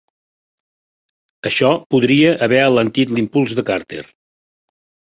Això podria haver alentit l'impuls de Carter.